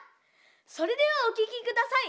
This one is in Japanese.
それではおききください！